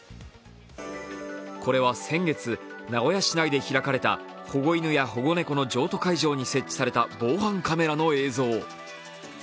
これは先月、名古屋市内で開かれた保護犬や保護猫の譲渡会場に設置された防犯カメラの映像。